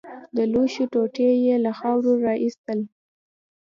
د لوښو ټوټې يې له خاورو راايستل.